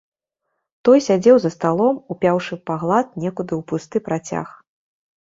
Той сядзеў за сталом, упяўшы пагляд некуды ў пусты працяг.